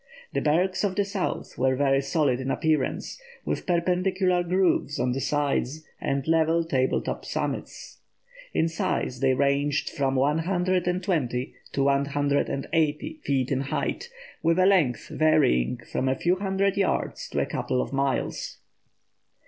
The bergs of the South were very solid in appearance, with perpendicular grooves on the sides, and level table top summits. In size they ranged from 120 to 180 feet in height, with a length varying from a few hundred yards to a couple of miles.